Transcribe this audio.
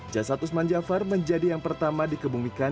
jasad usman jafar menjadi yang pertama dikebumikan